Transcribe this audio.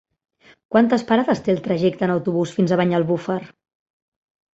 Quantes parades té el trajecte en autobús fins a Banyalbufar?